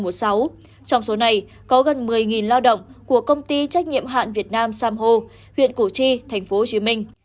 trong số này có gần một mươi lao động của công ty trách nhiệm hạn việt nam sam hô huyện củ chi tp hcm